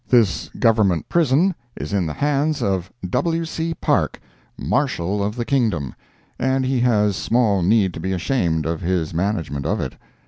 This Government Prison is in the hands of W. C. Parke, Marshal of the Kingdom, and he has small need to be ashamed of his management of it.